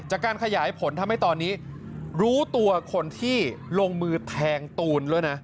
จากการขยายผลทำให้ตอนนี้รู้ตัวคนที่ลงมือแทงตูนด้วยนะ